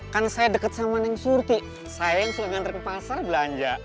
kan saya deket sama neng surti saya yang suka ngantre ke pasar belanja